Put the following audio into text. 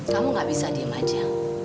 kamu gak bisa diem aja